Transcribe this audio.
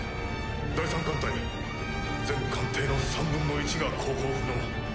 第３艦隊全艦艇の３分の１が航行不能。